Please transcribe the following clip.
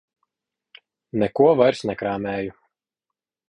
Neko vairs nekrāmēju.